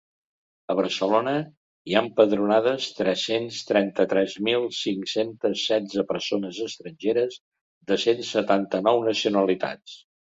A Barcelona, hi ha empadronades tres-cents trenta-tres mil cinc-cents setze persones estrangeres de cent setanta-nou nacionalitats.